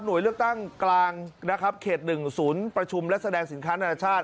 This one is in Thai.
เลือกตั้งกลางนะครับเขต๑ศูนย์ประชุมและแสดงสินค้านานาชาติ